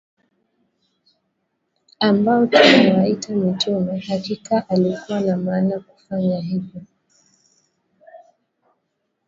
ambao tunawaita mitume Hakika alikuwa na maana kufanya hivyo